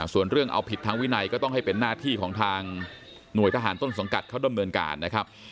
ส่วนเรื่องเอาผิดทางวินัยก็ต้องให้เป็นหน้าที่ของทางหน่วยทหารต้นสังกัดเขาดำเนินการนะครับ